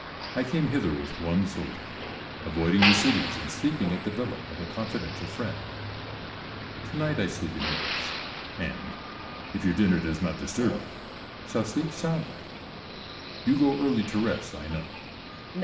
I came hither with one soldier, avoiding the cities, and sleeping at the villa of a confidential friend.